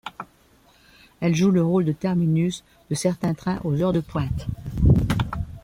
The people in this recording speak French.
Elle joue le rôle de terminus de certains trains aux heures de pointe.